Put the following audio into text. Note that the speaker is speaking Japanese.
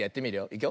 いくよ。